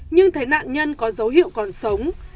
nhưng thấy nạn nhân có dấu hiệu còn sống